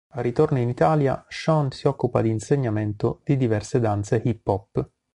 Al ritorno in Italia, Sean si occupa di insegnamento di diverse danze hip hop.